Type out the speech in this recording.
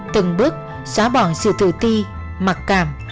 từng bước xóa bỏ sự tự ti mặc cảm